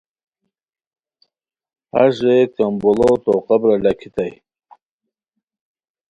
ہݰ رے کمبوڑو تو قبرہ لاکھیتائے